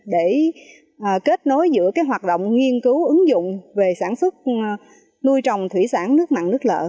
để kết nối giữa hoạt động nghiên cứu ứng dụng về sản xuất nuôi trồng thủy sản nước mặn nước lợ